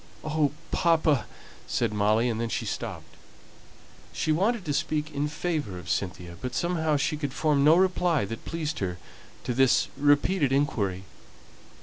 "Oh, papa " said Molly, and then she stopped; she wanted to speak in favour of Cynthia, but somehow she could form no reply that pleased her to this repeated inquiry.